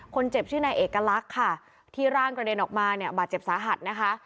คนเจ็บชื่อนายเอกลักษณ์ค่ะที่ร่างกระเด็นออกมาเนี่ยบาดเจ็บสาหัสนะคะ